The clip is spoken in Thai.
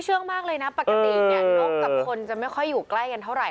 เชื่องมากเลยนะปกติเนี่ยนกกับคนจะไม่ค่อยอยู่ใกล้กันเท่าไห